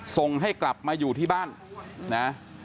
ส่งให้กลับมาอยู่ที่บ้านนะ